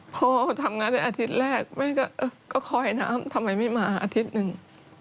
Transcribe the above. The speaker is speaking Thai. พ่อทำงานเป็นอาทิตย์แรกแม่ก็คอยน้ำทำไมไม่มาอาทิตย์หนึ่ง